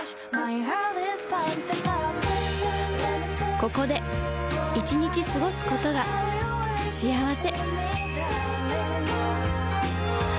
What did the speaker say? ここで１日過ごすことが幸せ